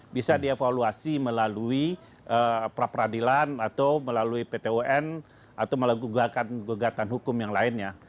bisa dievaluasi melalui pra peradilan atau melalui pt un atau melalui gugatan gugatan hukum yang lainnya